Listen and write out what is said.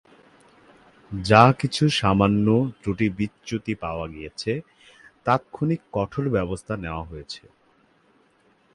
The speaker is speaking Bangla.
যা কিছু সামান্য ত্রুটিবিচ্যুতি পাওয়া গেছে, তাৎক্ষণিক কঠোর ব্যবস্থা নেওয়া হয়েছে।